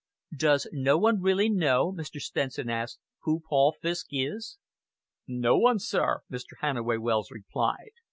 "Does no one really know," Mr. Stenson asked, "who Paul Fiske is?" "No one, sir," Mr. Hannaway Wells replied.